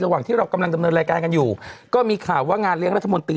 ระหว่างที่เรากำลังดำเนินรายการกันอยู่ก็มีข่าวว่างานเลี้ยรัฐมนตรี